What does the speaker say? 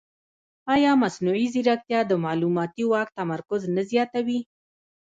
ایا مصنوعي ځیرکتیا د معلوماتي واک تمرکز نه زیاتوي؟